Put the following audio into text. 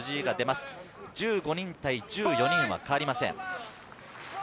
１５人対１４人は変わりません。